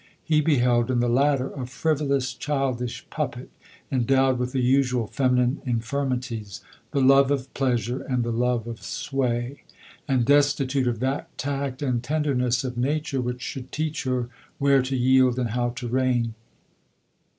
He beheld in the latter, a frivolous, childish puppet, endowed with the usual femi nine infirmities —" The love of pleasure, and the love of sway;" and destitute of that tact and tenderness of LODORE. 131 nature which should teach her where to yield and how to reign.